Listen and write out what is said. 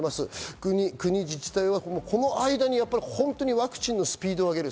国や自治体はこの間に本当にワクチンのスピードを上げる。